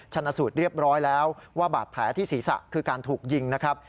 ชนะสูตรเรียบร้อยแล้วว่าบาดแผลที่ศีรษะคือการถูกยิงนะครับ